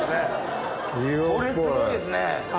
これすごいですね！